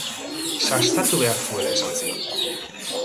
Sastatu behar zuela esan zion.